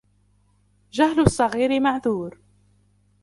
جَهْلُ الصَّغِيرِ مَعْذُورٌ